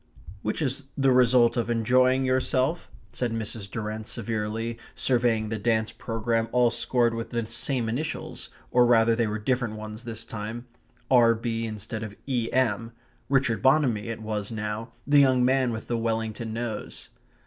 "Which is the result of enjoying yourself," said Mrs. Durrant severely, surveying the dance programme all scored with the same initials, or rather they were different ones this time R.B. instead of E.M.; Richard Bonamy it was now, the young man with the Wellington nose.